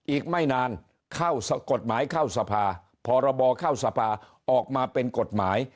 อีกไม่นานเข้ากฎหมายเข้าสภาพรบเข้าสภาออกมาเป็นกฎหมาย